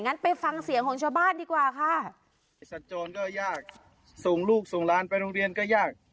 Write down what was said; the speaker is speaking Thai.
งั้นไปฟังเสียงของชาวบ้านดีกว่าค่ะไอ้สัญจรก็ยากส่งลูกส่งหลานไปโรงเรียนก็ยาก